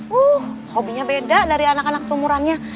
wuh hobinya beda dari anak anak seumurannya